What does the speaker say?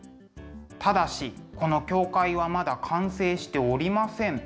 ただしこの教会はまだ完成しておりません。